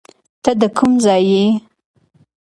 ته د کم ځای یې